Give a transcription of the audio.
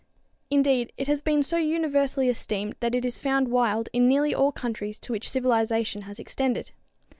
Indeed, it has been so universally esteemed that it is found wild in nearly all countries to which civilization has extended.